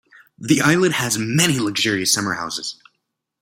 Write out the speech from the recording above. The islet has many luxurious summer houses.